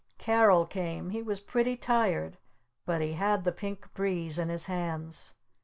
Carol came. He was pretty tired. But he had the Pink Breeze in his hands.